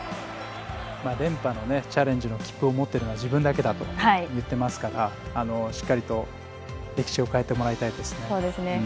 連覇のチャレンジの切符を持っているのは自分だけだと言っていますから歴史を変えてもらいたいですね。